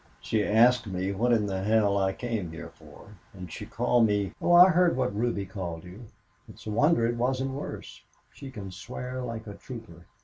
"She asked me what in the hell I came here for. And she called me " "Oh, I heard what Ruby called you. It's a wonder it wasn't worse. She can swear like a trooper.